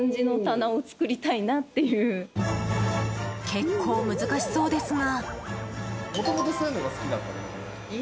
結構難しそうですが。